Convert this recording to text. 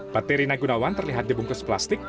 pati rina gunawan terlihat dibungkus plastik